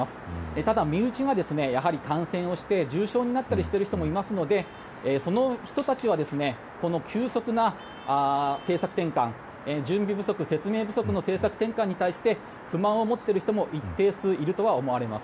ただ、身内がやはり感染をして重症になっている人もいますのでその人たちは急速な政策転換準備不足、説明不足の政策転換に対して不満を持っている人も一定数いると思われます。